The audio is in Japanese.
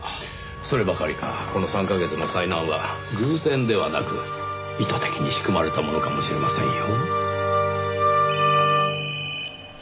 そればかりかこの３カ月の災難は偶然ではなく意図的に仕組まれたものかもしれませんよ。